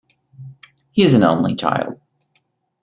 He is an only child.